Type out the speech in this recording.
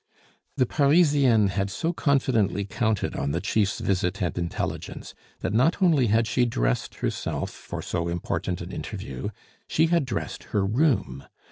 The Parisienne had so confidently counted on the chief's visit and intelligence, that not only had she dressed herself for so important an interview she had dressed her room.